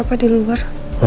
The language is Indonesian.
papa di luar